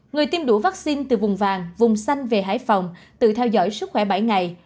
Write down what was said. người tiêm đủ vaccine từ vùng vàng vùng xanh về hải phòng tự theo dõi sức khỏe bảy ngày